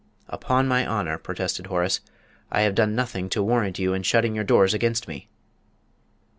"Upon my honour," protested Horace, "I have done nothing to warrant you in shutting your doors against me."